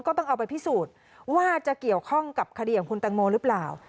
ก็ต้องเอาไปพิสูจน์ว่าจะเกี่ยวข้องกับคดีของคุณแตงโมหรือเปล่า